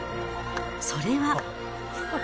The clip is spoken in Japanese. それは。